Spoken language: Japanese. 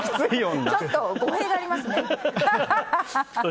ちょっと！